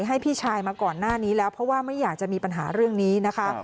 ให้พี่ชายมาก่อนหน้านี้แล้วเพราะว่าไม่อยากจะมีปัญหาเรื่องนี้นะคะ